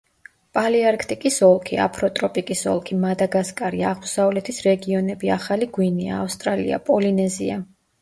პალეარქტიკის ოლქი, აფროტროპიკის ოლქი, მადაგასკარი, აღმოსავლეთის რეგიონები, ახალი გვინეა, ავსტრალია, პოლინეზია.